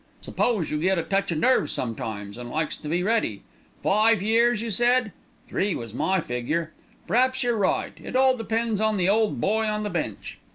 'Spose you get a touch of nerves sometimes, and likes to be ready. Five years, you said. Three was my figure. P'raps you're right; it all depends on the ole boy on the bench.